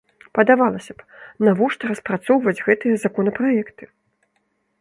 Падавалася б, навошта распрацоўваць гэтыя законапраекты?